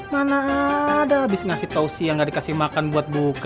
mana ada abis ngasih tausiyah gak dikasih makan buat buka